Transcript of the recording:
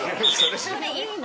それいいの？